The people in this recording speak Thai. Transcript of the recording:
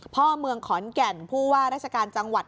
พ่อเมืองขอนแก่นผู้ว่าราชการจังหวัด